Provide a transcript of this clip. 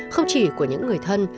không chỉ của những người thân